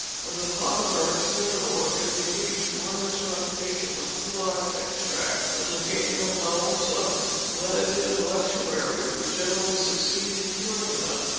When the piles are external, or can be reached, one or two applications of Goulard's extract, with an occasional dose of lenitive electuary, will generally succeed in curing them.